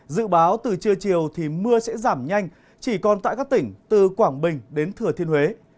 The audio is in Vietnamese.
dự báo từ trưa chiều thì mưa sẽ giảm nhanh chỉ còn tại các tỉnh từ quảng bình đến thừa thiên huế